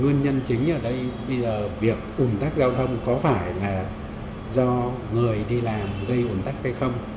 nguyên nhân chính ở đây bây giờ việc ủn tắc giao thông có phải là do người đi làm gây ủn tắc hay không